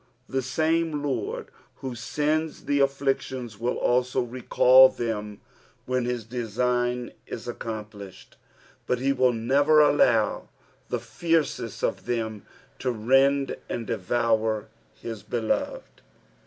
The same Lord who sends the afflictions will also recall them when his design is accomplished, but he will never allow the fiercest of them to rend and devour his beloved.